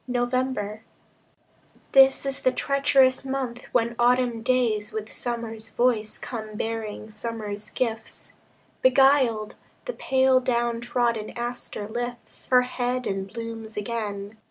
November This is the treacherous month when autumn days With summer's voice come bearing summer's gifts. Beguiled, the pale down trodden aster lifts Her head and blooms again.